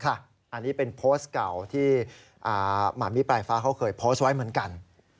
อันนี้เป็นโพสต์เก่าที่หมามิปลายฟ้าเขาเคยโพสต์ไว้เหมือนกัน